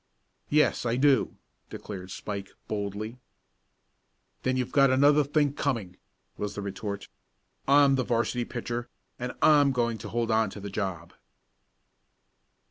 "Yes, I do," declared Spike boldly. "Then you've got another think coming!" was the retort. "I'm the 'varsity pitcher, and I'm going to hold on to the job!"